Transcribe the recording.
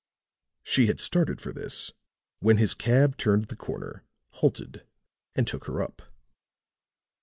She had started for this, when his cab turned the corner, halted and took her up."